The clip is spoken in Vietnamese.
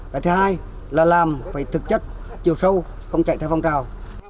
cái thứ hai là làm phải thực chất chiều sâu không chạy theo phong trào